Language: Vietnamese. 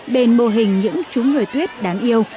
bền bồ hình những chú người tuyết đáng yêu